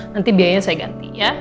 nanti biayanya saya ganti ya